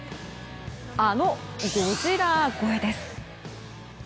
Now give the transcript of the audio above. あのゴジラ超えです。